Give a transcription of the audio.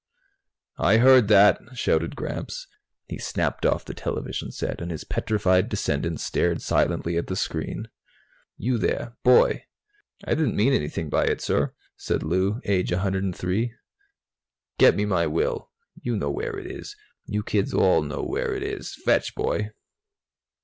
"I heard that!" shouted Gramps. He snapped off the television set and his petrified descendants stared silently at the screen. "You, there, boy " "I didn't mean anything by it, sir," said Lou, aged 103. "Get me my will. You know where it is. You kids all know where it is. Fetch, boy!"